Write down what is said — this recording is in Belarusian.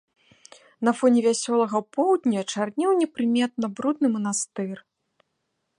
На фоне вясёлага поўдня чарнеў непрыветна брудны манастыр.